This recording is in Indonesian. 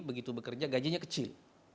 begitu bekerja gajinya kecil